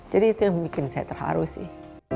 jadi itu yang bikin saya terharu sih